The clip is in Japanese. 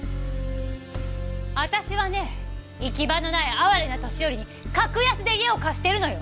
私はね行き場のない哀れな年寄りに格安で家を貸してるのよ！